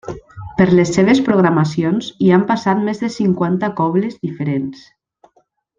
Per les seves programacions hi han passat més de cinquanta cobles diferents.